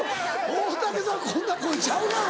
大竹さんこんな声ちゃうやろ。